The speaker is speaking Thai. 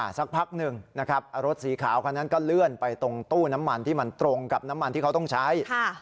สักพักหนึ่งนะครับรถสีขาวคันนั้นก็เลื่อนไปตรงตู้น้ำมันที่มันตรงกับน้ำมันที่เขาต้องใช้